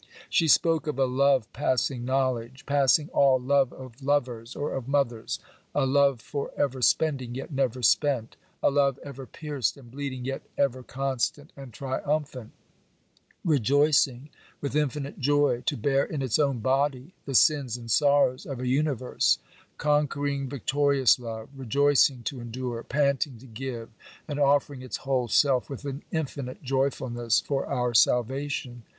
She spoke of a love passing knowledge—passing all love of lovers or of mothers—a love for ever spending, yet never spent—a love ever pierced and bleeding, yet ever constant and triumphant, rejoicing with infinite joy to bear in its own body the sins and sorrows of a universe—conquering, victorious love, rejoicing to endure, panting to give, and offering its whole self with an infinite joyfulness for our salvation.